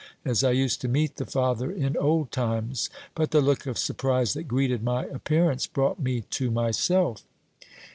as I used to meet the father in old times; but the look of surprise that greeted my appearance brought me to myself.